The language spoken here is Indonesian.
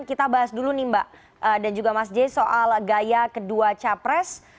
kita bahas dulu nih mbak dan juga mas j soal gaya kedua capres